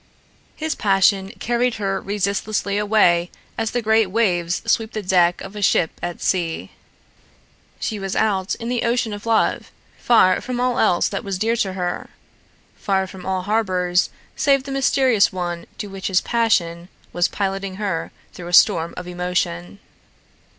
His passion carried her resistlessly away as the great waves sweep the deck of a ship at sea. She was out in the ocean of love, far from all else that was dear to her, far from all harbors save the mysterious one to which his passion was piloting her through a storm of emotion.